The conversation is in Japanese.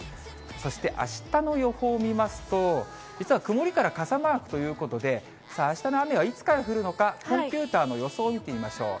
そしてあしたの予報見ますと、実は曇りから傘マークということで、あしたの雨はいつから降るのか、コンピューターの予想を見てみましょう。